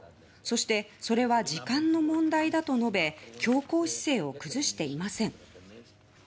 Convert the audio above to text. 「そしてそれは時間の問題だ」と述べ強硬姿勢を崩していません。